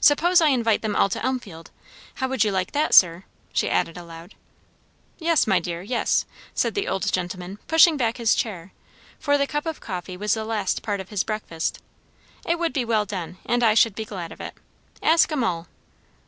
Suppose I invite them all to Elmfield; how would you like that, sir?" she added aloud. "Yes, my dear, yes," said the old gentleman, pushing back his chair; for the cup of coffee was the last part of his breakfast; "it would be well done, and I should be glad of it. Ask 'em all."